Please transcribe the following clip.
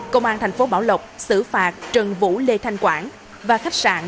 công an thành phố bảo lộc xử phạt trần vũ lê thanh quảng và khách sạn